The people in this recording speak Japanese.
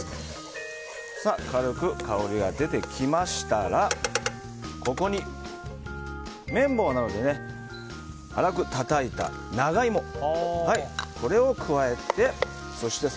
軽く香りが出てきましたらここに麺棒などで粗くたたいた長イモを加えてそして